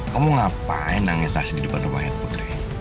kamu ngapain nangis di depan rumahnya putri